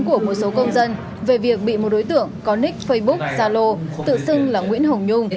của một số công dân về việc bị một đối tượng có nick facebook zalo tự xưng là nguyễn hồng nhung